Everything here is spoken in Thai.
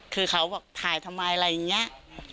คือเขาบอกถ่ายทำไมอะไรอย่างนี้